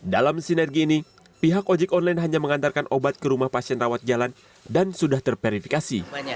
dalam sinergi ini pihak ojek online hanya mengantarkan obat ke rumah pasien rawat jalan dan sudah terverifikasi